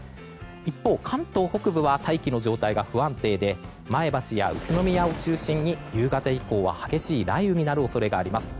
一方、関東北部は大気の状態が不安定で前橋や宇都宮を中心に夕方以降は激しい雷雨になる恐れがあります。